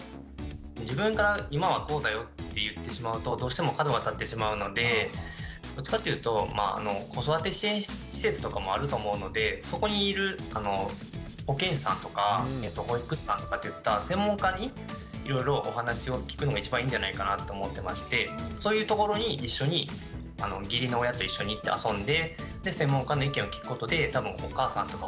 自分が今はこうだよって言ってしまうとどうしても角が立ってしまうのでどっちかっていうと子育て支援施設とかもあると思うのでそこにいる保健師さんとか保育士さんとかといった専門家にいろいろお話を聞くのが一番いいんじゃないかなと思ってましてそういうところに「今はそうなんだね」っていうふうにあいいですね。